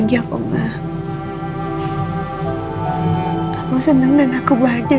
sampai jumpa lagi